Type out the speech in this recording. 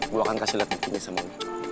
gue akan kasih liat nih ini sama lo